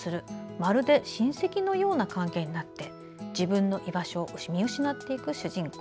まるで親戚のような関係になって自分の居場所を見失っていく主人公。